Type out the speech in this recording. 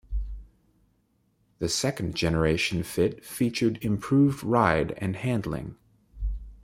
The second generation Fit featured improved ride and handling.